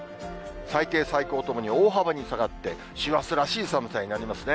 最低、最高ともに大幅に下がって、師走らしい寒さになりますね。